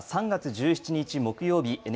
３月１７日木曜日